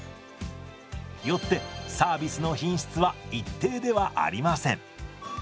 よってサービスの品質は一定ではありません。